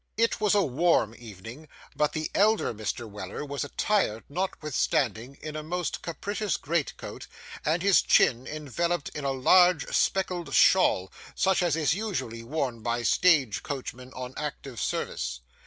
It was a warm evening, but the elder Mr. Weller was attired, notwithstanding, in a most capacious greatcoat, and his chin enveloped in a large speckled shawl, such as is usually worn by stage coachmen on active service.